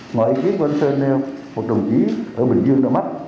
ngoài ý kiến của anh sơn nêu một đồng chí ở bình dương đã mắc